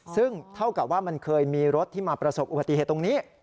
ซึ่งเท่ากับว่ามันเคยมีรถที่มาประสบอุบัติเหตุตรงนี้